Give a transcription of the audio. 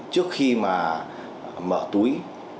trước khi mà mở túi